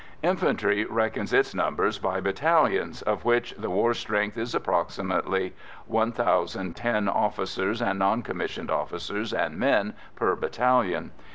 Infantry reckons its numbers by battalions, of which the war strength is approximately 1010 officers, non commissioned officers, and men per battalion.